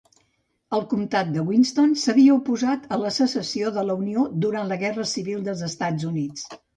El comtat de Winston s'havia oposat a la secessió de la Unió durant la Guerra Civil dels Estats Units.